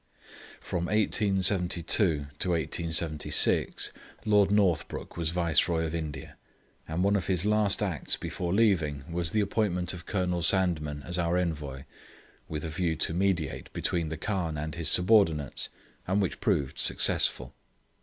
From 1872 to 1876 Lord Northbrook was Viceroy of India, and one of his last acts before leaving was the appointment of Colonel Sandeman as our Envoy, with a view to mediate between the Khan and his subordinates, and which proved successful.